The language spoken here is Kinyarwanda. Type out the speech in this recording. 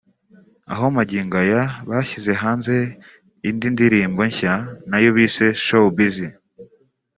aho magingo aya bashyize hanze indi ndirimbo nshya nayo bise ‘Showbiz’